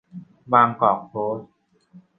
บางกอก โพสต์